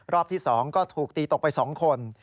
รอบที่๒ก็ถูกตีตกไป๒คน